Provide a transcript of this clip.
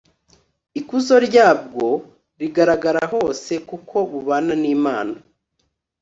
ikuzo ryabwo rigaragara hose. kuko bubana n'imana